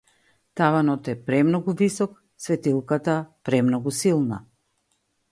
Таванот е премногу висок, светилката премногу силна.